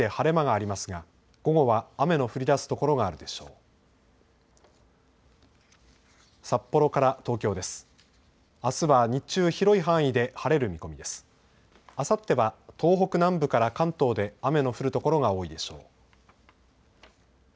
あさっては東北南部から関東で雨の降る所が多いでしょう。